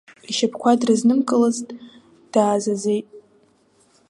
Ишьапқәа дрызнымкылазт даазазеит.